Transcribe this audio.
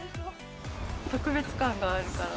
特別感があるから。